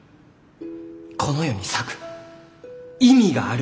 この世に咲く意味がある。